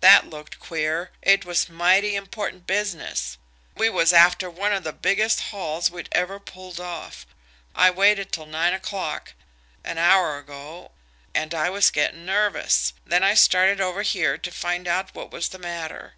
That looked queer. It was mighty important business. We was after one of the biggest hauls we'd ever pulled off. I waited till nine o'clock, an hour ago, and I was getting nervous. Then I started over here to find out what was the matter.